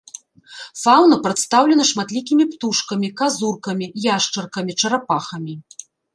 Фаўна прадстаўлена шматлікімі птушкамі, казуркамі, яшчаркамі, чарапахамі.